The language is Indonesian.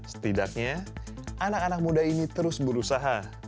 setidaknya anak anak muda ini terus berusaha